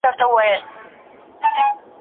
کار او استراحت توازن غواړي.